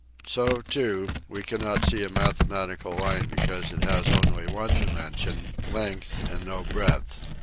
So, too, we cannot see a mathematical line be cause it has only one dimension, length and no breadth.